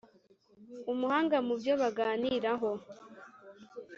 Umuhanga mu byo baganiraho